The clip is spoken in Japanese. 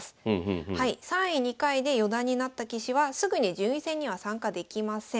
３位２回で四段になった棋士はすぐに順位戦には参加できません。